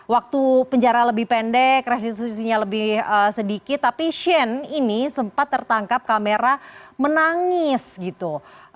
waktu penjara lebih pendek restitusinya lebih sedikit tapi shane ini sempat tertangkap kamera menangis gitu